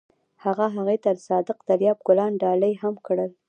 هغه هغې ته د صادق دریاب ګلان ډالۍ هم کړل.